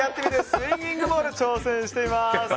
スインギングボールに挑戦しています。